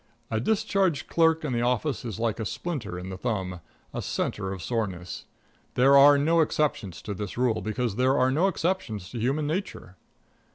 A discharged clerk in the office is like a splinter in the thumb a centre of soreness. There are no exceptions to this rule, because there are no exceptions to human nature.